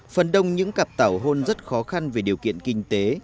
phần đông những cặp tảo hôn rất khó khăn về điều kiện kinh tế